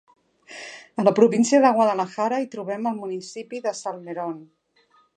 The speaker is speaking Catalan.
A la província de Guadalajara hi trobem el municipi de Salmerón.